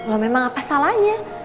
loh memang apa salahnya